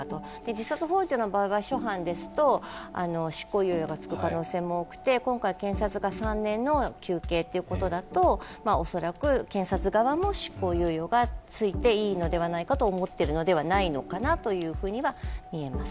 自殺ほう助の場合は初犯ですと、執行猶予がつく可能性も多くて今回、検察が３年の求刑っていうことだと恐らく検察側も執行猶予がついていいのではないかと思っているのではないのかなというふうには見えます。